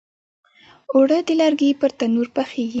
اوړه د لرګي پر تنور پخیږي